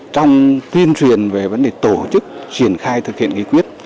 trong tuyên truyền về vấn đề tổ chức triển khai thực hiện nghị quyết